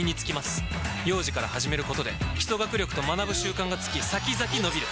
幼児から始めることで基礎学力と学ぶ習慣がつき先々のびる！